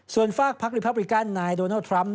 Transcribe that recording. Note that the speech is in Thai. ส่วนฝากพักลิพับริกันนายโดนัลดทรัมป